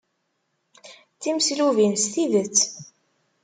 D timeslubin s tidet.